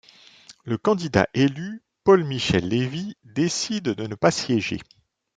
Le candidat élu, Paul Michel Lévy, décide de ne pas siéger.